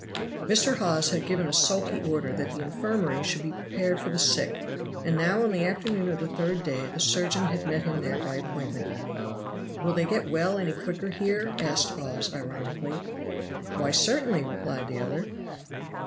Mr. Hawes had given a sulky order that the infirmary should be prepared for the sick, and now on the afternoon of the third day the surgeon had met him there by appointment. "Will they get well any quicker here?" asked Hawes ironically. "Why, certainly," replied the other.